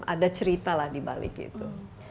ada cerita lah dibalik itu